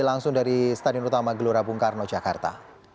langsung dari stadion utama gelora bung karno jakarta